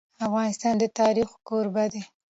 افغانستان د تاریخ کوربه دی.